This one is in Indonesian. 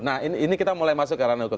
nah ini kita mulai masuk ke ranah hukum